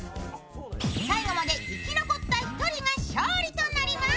最後まで生き残った１人が勝利となります。